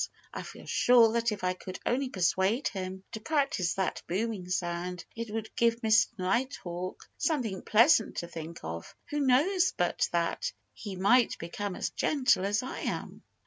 I feel sure that if I could only persuade him to practice that booming sound it would give Mr. Nighthawk something pleasant to think of. Who knows but that he might become as gentle as I am?"